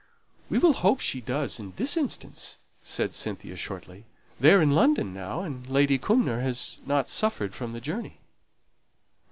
"We will hope she does in this instance," said Cynthia, shortly. "They're in London now, and Lady Cumnor hasn't suffered from the journey."